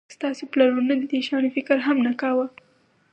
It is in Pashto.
ستاسو پلرونو د دې شیانو فکر هم نه کاوه